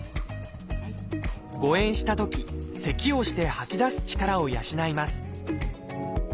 誤えんしたときせきをして吐き出す力を養います